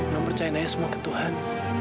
non percayain aja semua ke tuhan